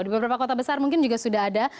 di beberapa kota besar mungkin juga sudah ada